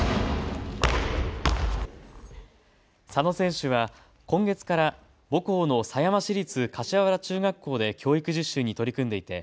佐野選手は今月から母校の狭山市立柏原中学校で教育実習に取り組んでいて